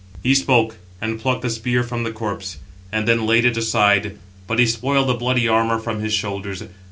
He spoke, and plucked the spear from the corpse; and then laid it aside, but he spoiled the bloody armour from his shoulders.